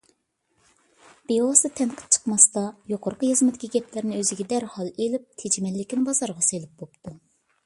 بىۋاسىتە تەنقىد چىقماستا يۇقىرىقى يازمىدىكى گەپلەرنى ئۆزىگە دەرھال ئېلىپ تېجىمەللىكىنى بازارغا سېلىپ بوپتۇ.